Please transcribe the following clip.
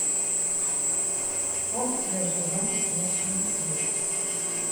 Так я жила восемь лет.